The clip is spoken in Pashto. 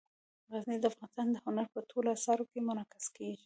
غزني د افغانستان د هنر په ټولو اثارو کې منعکس کېږي.